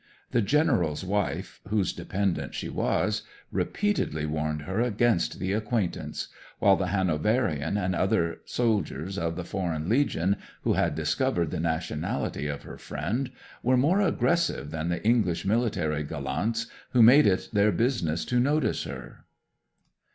The General's wife, whose dependent she was, repeatedly warned her against the acquaintance; while the Hanoverian and other soldiers of the Foreign Legion, who had discovered the nationality of her friend, were more aggressive than the English military gallants who made it their business to notice her.